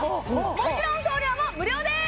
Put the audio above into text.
もちろん送料も無料です！